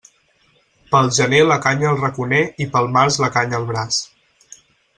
Pel gener la canya al raconer i pel març la canya al braç.